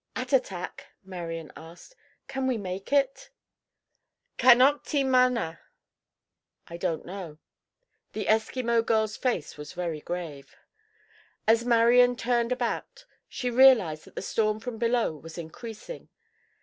"Attatak," Marian asked, "can we make it?" "Canok ti ma na" (I don't know.) The Eskimo girl's face was very grave. As Marian turned about she realized that the storm from below was increasing.